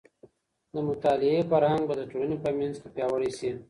د مطالعې فرهنګ به د ټولني په منځ کي پياوړی سي.